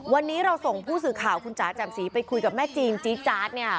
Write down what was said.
วันนี้เราส่งผู้สื่อข่าวคุณจ๋าแจ่มสีไปคุยกับแม่จีนจี๊จาดเนี่ย